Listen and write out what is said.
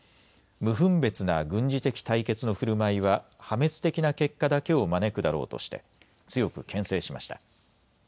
無分別な軍事的対決のふるまいは破滅的な結果だけを招くだろうとして強くけん制しました。